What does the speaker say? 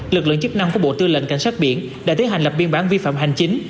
lực lượng chức năng của bộ tư lệnh cảnh sát biển đã tiến hành lập biên bản vi phạm hành chính